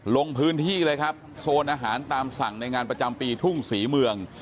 ลงพื้นที่เลยครับโซนอาหารตามสั่งในงานประจำปีทุ่งศรีเมือง